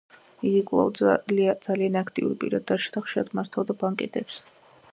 იგი კვლავ ძალიან აქტიურ პირად დარჩა და ხშირად მართავდა ბანკეტებს.